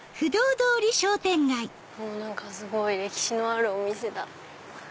何かすごい歴史のあるお店だ。